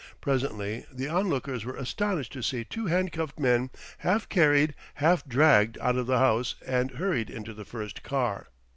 Presently the onlookers were astonished to see two handcuffed men half carried, half dragged out of the house and hurried into the first car.